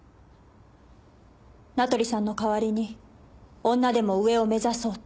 名取さんの代わりに女でも上を目指そうと。